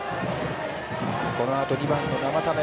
このあと２番の生田目